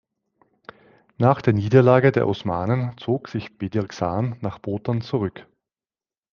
Nach der Niederlage der Osmanen zog sich Bedirxan nach Botan zurück.